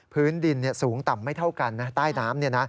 พื้นดินสูงต่ำไม่เท่ากันนะ